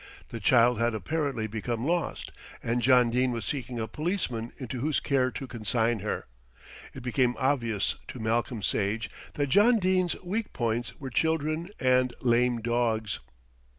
The child had apparently become lost, and John Dene was seeking a policeman into whose care to consign her. It became obvious to Malcolm Sage that John Dene's weak points were children and "lame dogs."